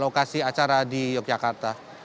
lokasi acara di yogyakarta